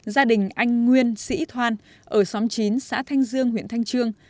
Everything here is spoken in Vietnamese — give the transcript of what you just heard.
gia đình anh nguyên sĩ thoan ở xóm chín xã thanh dương huyện thanh trương